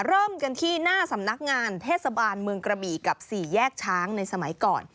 เริ่มกันที่หน้าสำนักงานเทศบาลเมืองกระบี่กับ๔แยกช้างในสมัยก่อน